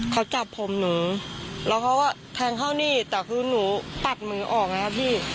เขาจับผมหนูแล้วเขาก็แทงเข้านี่แต่คือหนูปัดมือออกไงครับพี่